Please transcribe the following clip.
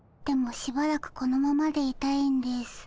でもしばらくこのままでいたいんです。